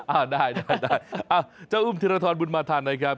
อ่าได้ได้เจ้าอุ้มธิรทรบุญมาทันนะครับ